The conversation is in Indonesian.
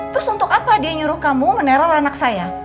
terus untuk apa dia nyuruh kamu menerol anak saya